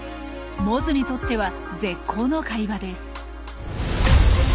モズにとっては絶好の狩り場です。